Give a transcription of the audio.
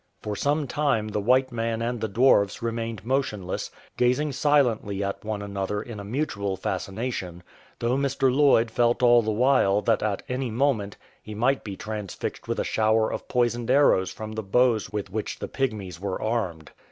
For some time the white man and the dwarfs remained motionless, gazing silently at one another in a mutual fascination, though Mr. Lloyd felt all the while that at any moment he might be transfixed with a shower of poisoned arrows from the bows with which the Pygmies were armed.